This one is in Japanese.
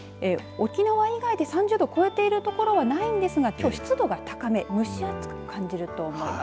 沖縄以外で３０度を超えている所はないんですがきょうは湿度が高め蒸し暑く感じると思います。